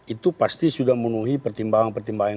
itu pasti sudah menuhi pertimbangan pertimbangan